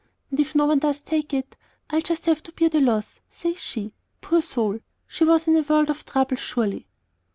And if no one does take it, I'll just have to bear the loss,' says she. Poor soul! she was in a world of trouble, surely."